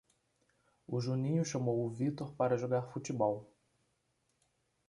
O Juninho chamou o Vítor para jogar futebol.